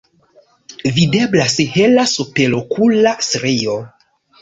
Videblas hela superokula strio.